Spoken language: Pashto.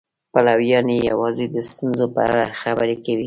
پلویان یې یوازې د ستونزو په اړه خبرې کوي.